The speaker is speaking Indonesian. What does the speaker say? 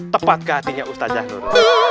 tepat ke hatinya ustadz jahdur